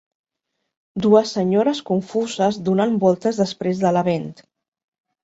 Dues senyores confuses donant voltes després de l'event.